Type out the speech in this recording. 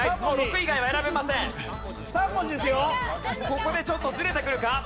ここでちょっとずれてくるか？